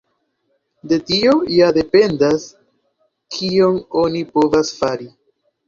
De tio ja dependas kion oni povas fari.